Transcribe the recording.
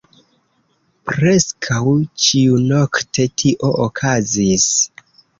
Preskaŭ ĉiunokte tio okazis.